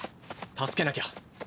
助けなきゃ。